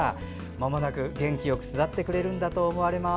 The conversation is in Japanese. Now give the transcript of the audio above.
まもなく元気よく巣立ってくれるんだと思われます。